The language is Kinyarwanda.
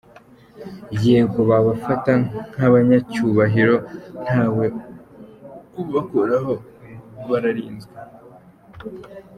Yego, babafata nk’abanyacyubahiro, ntawe ubakoraho, bararinzwe.